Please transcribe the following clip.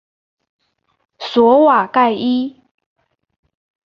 索瓦盖伊。